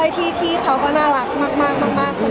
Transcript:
ที่เขาก็น่ารักมากคนหนึ่งเลย